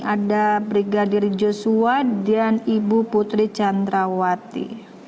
ada brigadir joshua dan ibu putri candrawati